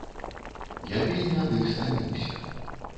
Я вельмі ад іх стаміўся.